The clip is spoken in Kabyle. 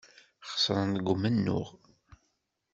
Xesren deg umennuɣ.